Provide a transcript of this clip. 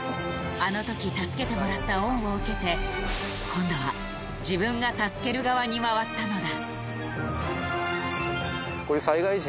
あのとき助けてもらった恩を受けて今度は自分が助ける側に回ったのだ